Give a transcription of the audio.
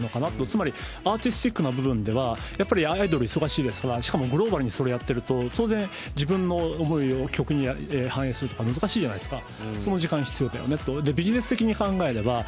つまり、アーティスティックな部分では、やっぱりアイドル忙しいですから、しかもグローバルにそれだけやってると当然、自分の思いを曲に反映するとか難しいじゃないですか。